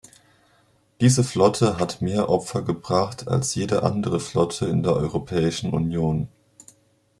Diese Flotte hat mehr Opfer gebracht als jede andere Flotte in der Europäischen Union.